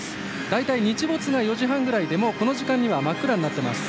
大体、日没が４時半ぐらいでこの時間には真っ暗になっています。